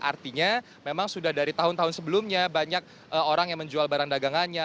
artinya memang sudah dari tahun tahun sebelumnya banyak orang yang menjual barang dagangannya